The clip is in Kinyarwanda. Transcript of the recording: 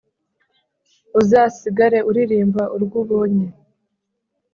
uzasigare uririmba urwo ubonye”